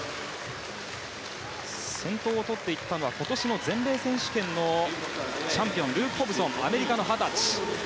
先頭をとっていったのは今年の全米選手権のチャンピオンルーク・ホブソンアメリカの二十歳。